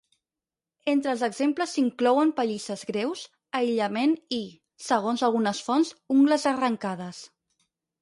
Entre els exemples s"inclouen pallisses greus, aïllament i, segons algunes fonts, ungles arrencades.